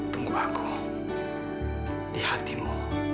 tunggu aku di hatimu